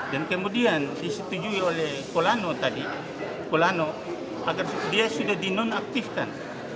dan kemudian disetujui oleh kolano tadi kolano agar dia sudah dinonaktifkan